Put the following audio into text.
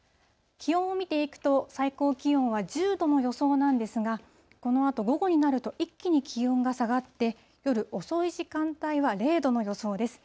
気温を見ていくと、最高気温は１０度の予想なんですが、このあと午後になると、一気に気温が下がって、夜遅い時間帯は０度の予想です。